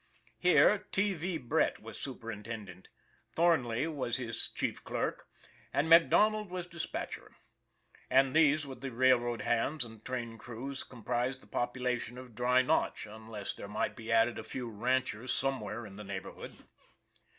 Here, T. V. Brett was superintendent; Thornley was his chief clerk; and MacDonald was dispatcher. And these, with the railroad hands and train crews comprised the population of Dry Notch, unless there 292 THE REBATE 293 might be added a few ranchers somewhere in the neighborhood.